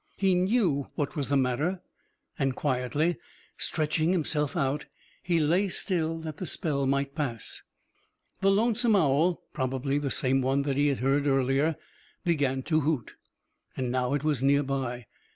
He knew what was the matter and, quietly stretching himself out, he lay still that the spell might pass. The lonesome owl, probably the same one that he had heard earlier, began to hoot, and now it was near by.